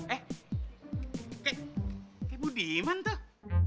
eh kayak bu diman tuh